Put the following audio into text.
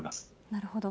なるほど。